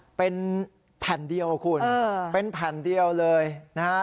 เป็นแผ่นเดียวคุณเป็นแผ่นเดียวเลยนะฮะ